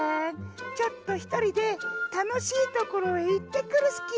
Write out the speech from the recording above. ちょっとひとりでたのしいところへいってくるスキー。